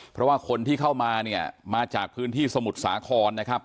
เพราะว่าคนที่เข้ามาเนี่ยมาจากพื้นที่สมุทรสาครนะครับ